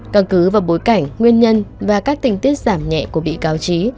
cần cứ vào bối cảnh nguyên nhân và các tình tiết giảm nhẹ của bị cao trí